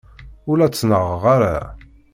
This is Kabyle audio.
Ur la ttnaɣeɣ ara.